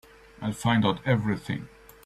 I'll find out everything.